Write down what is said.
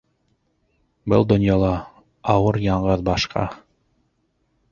Был донъяла ауыр яңғыҙ башка —